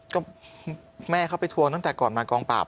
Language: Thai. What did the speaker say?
ก็แม่เขาไปทวงตั้งแต่ก่อนมากองปราบ